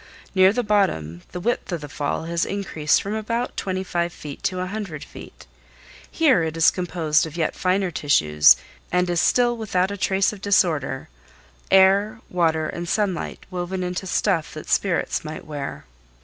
Near the bottom the width of the fall has increased from about twenty five feet to a hundred feet. Here it is composed of yet finer tissues, and is still without a trace of disorder—air, water and sunlight woven into stuff that spirits might wear.